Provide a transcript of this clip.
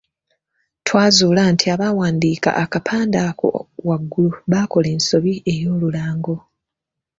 Twazuula nti abaawandiika akapande ako waggulu baakola ensobi ey’olulango.